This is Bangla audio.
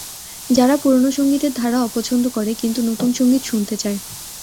যারা পুরোনো সংগীতের ধারা অপছন্দ করে কিন্তু নতুন সংগীত শুনতে চায়।